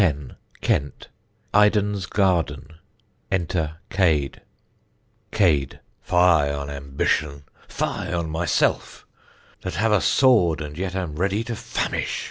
Kent. IDEN'S Garden. Enter CADE. Cade. Fie on ambition! fie on myself; that have a sword, and yet am ready to famish!